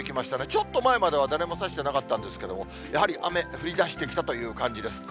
ちょっと前までは誰も差してなかったんですけれども、やはり雨、降りだしてきたという感じです。